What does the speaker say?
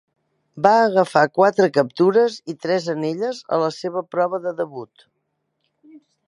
Va agafar quatre captures i tres anelles a la seva prova de debut.